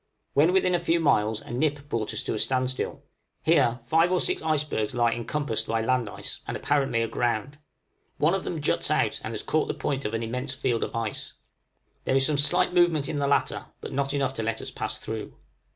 When within a few miles a nip brought us to a standstill: here five or six icebergs lie encompassed by land ice, and apparently aground; one of them juts out and has caught the point of an immense field of ice. There is some slight movement in the latter, but not enough to let us pass through.